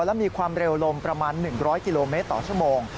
และมีความเร็วลงประมาณ๑๐๐กิโลเมตรต่อชั่วโมง